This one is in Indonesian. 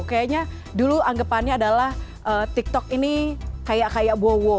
kayaknya dulu anggapannya adalah tiktok ini kayak kayak bowo